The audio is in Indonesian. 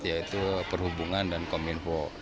yaitu perhubungan dan kominfo